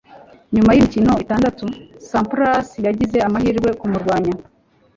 nyuma yimikino itandatu, sampras yagize amahirwe kumurwanya